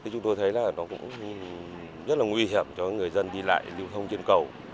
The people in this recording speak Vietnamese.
chúng tôi thấy nó cũng rất nguy hiểm cho người dân đi lại lưu thông trên cầu